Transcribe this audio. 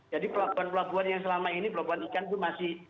jadi pelabuhan pelabuhan yang selama ini pelabuhan ikan itu masih